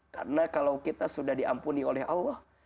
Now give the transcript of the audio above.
karena kalau kita sudah diampuni oleh allah